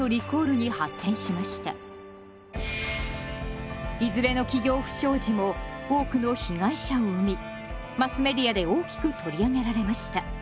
これによりいずれの企業不祥事も多くの被害者を生みマスメディアで大きく取り上げられました。